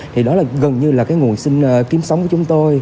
thì đó là gần như là cái nguồn sinh kiếm sống của chúng tôi